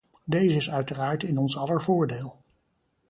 Deze is uiteraard in ons aller voordeel.